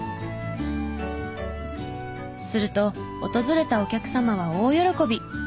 すると訪れたお客様は大喜び！